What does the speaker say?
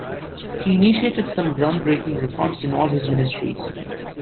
He initiated some ground breaking reforms in all his ministries.